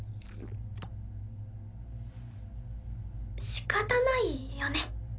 しかたないよね。